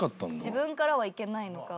自分からはいけないのか。